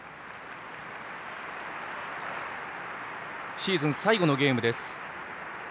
シーズン最後のゲームです。